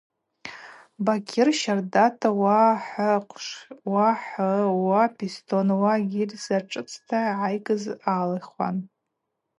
Бакьыр щардата уа хыхъвшв, уа хы, уа пистон, уа гильза шӏыцта йгӏайгыз алихуан.